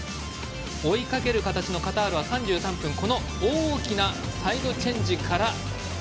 追いかける形のカタールは３３分大きなサイドチェンジから。